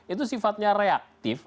itu sifatnya reaktif